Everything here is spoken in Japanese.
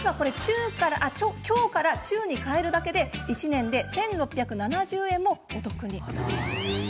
強から中に変えるだけで１年で１６７０円もお得になります。